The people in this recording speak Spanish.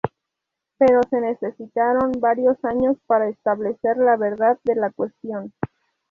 Pero se necesitaron varios años para establecer la verdad de la cuestión.